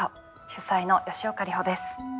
主宰の吉岡里帆です。